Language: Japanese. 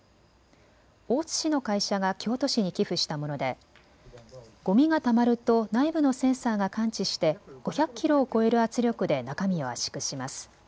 大津市の会社が京都市に寄付したものでごみがたまると内部のセンサーが感知して５００キロを超える圧力で中身を圧縮します。